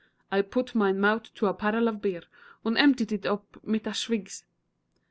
I poot mine mout to a parrel of beer, Und emptied it oop mit a schwigs.